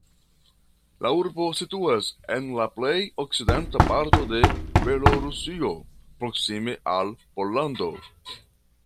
La urbo situas en la plej okcidenta parto de Belorusio, proksime al Pollando.